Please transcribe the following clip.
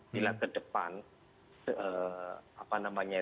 bila ke depan